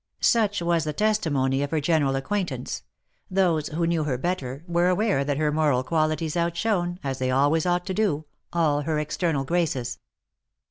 Such was the testimony of her general acquaintance ; those who knew her better were aware that her moral qualities outshone, as they always ought to do, all her external graces.